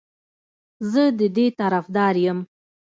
زه د دې طرفدار یم